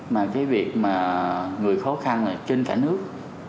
mà cái việc mà người khó khăn ở trên cả nước